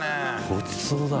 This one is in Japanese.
ごちそうだ。